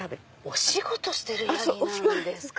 お仕事してるヤギなんですか。